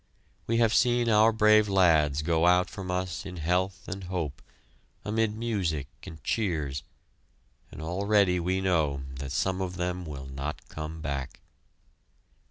We have seen our brave lads go out from us in health and hope, amid music and cheers, and already we know that some of them will not come back.